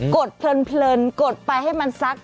ดเพลินกดไปให้มันซัก